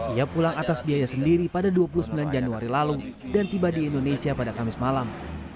ia pulang atas biaya sendiri pada dua puluh sembilan januari lalu dan tiba di indonesia pada kamis malam